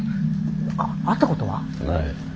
あっ会ったことは？ない。